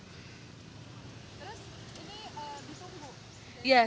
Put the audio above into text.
terus ini ditunggu